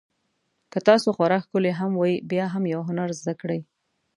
که تاسو خورا ښکلي هم وئ بیا هم یو هنر زده کړئ.